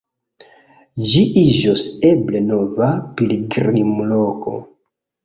Ĝi iĝos eble nova pilgrimloko.